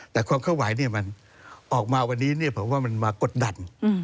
แต่ความเคลื่อนไหวเนี่ยมันออกมาวันนี้เนี่ยผมว่ามันมากดดัน